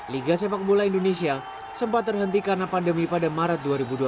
liga sepak bola indonesia sempat terhenti karena pandemi pada maret dua ribu dua puluh